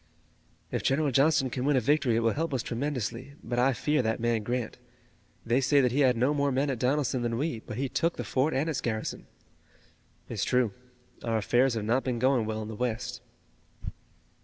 "If General Johnston can win a victory it will help us tremendously, but I fear that man, Grant. They say that he had no more men at Donelson than we, but he took the fort and its garrison." "It's true. Our affairs have not been going well in the West."